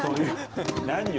何よ？